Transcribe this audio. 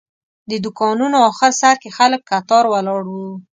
د دوکانونو آخر سر کې خلک کتار ولاړ وو.